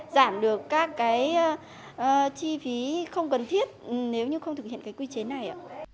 giảm được các chi phí không cần thiết nếu không thực hiện quy chế này